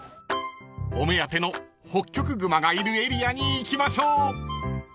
［お目当てのホッキョクグマがいるエリアに行きましょう］